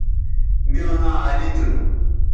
میوں ناں علی تھو